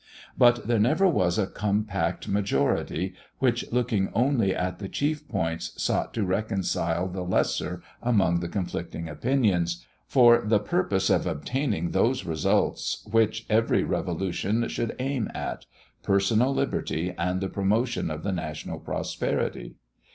But there never was a compact majority, which, looking only at the chief points, sought to reconcile the lesser among the conflicting opinions, for the purpose of obtaining those results which every revolution should aim at personal liberty, and the promotion of the national prosperity.